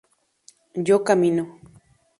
yo camino